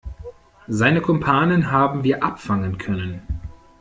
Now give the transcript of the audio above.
Seine Kumpanen haben wir abfangen können.